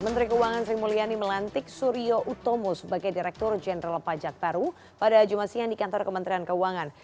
menteri keuangan sri mulyani melantik suryo utomo sebagai direktur jenderal pajak baru pada jumat siang di kantor kementerian keuangan